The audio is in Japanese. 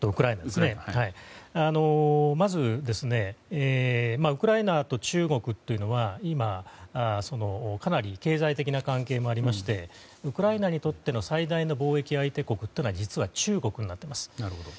まずウクライナと中国は今、かなり経済的な関係もありましてウクライナにとっての最大の貿易相手国というのは実は中国になっています。